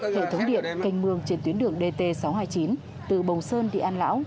hệ thống điện canh mương trên tuyến đường dt sáu trăm hai mươi chín từ bồng sơn đi an lão